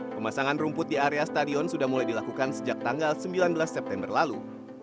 pemasangan rumput di area stadion sudah mulai dilakukan sejak tanggal sembilan belas september lalu